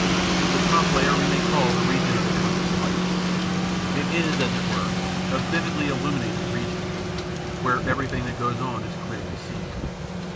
The top layer we may call the region of the conscious life. It is, as it were, a vividly illuminated region, where everything that goes on is clearly seen.